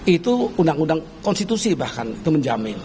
itu undang undang konstitusi bahkan itu menjamin